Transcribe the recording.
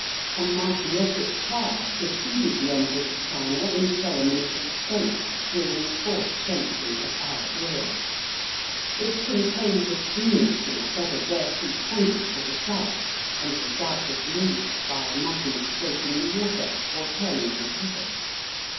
A magnetic car preceded the Emperors of China in ceremonies of state during the fourth century of our era. It contained a genius in a feather dress who pointed to the south, and was doubtless moved by a magnet floating in water or turning on a pivot.